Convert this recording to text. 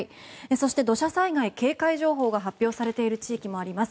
そして、土砂災害警戒情報が発表されている地域もあります。